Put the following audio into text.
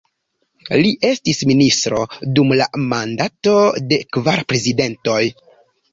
Li estis ministro dum la mandato de kvar prezidentoj.